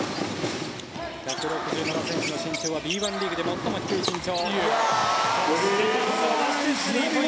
１６７ｃｍの身長はＢ１リーグで最も低い身長。